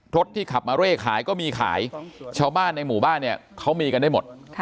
รถที่ขับมาเร่ขายก็มีขายชาวบ้านในหมู่บ้านเนี่ยเขามีกันได้หมด